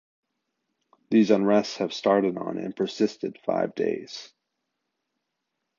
These unrests have started on and persisted five days.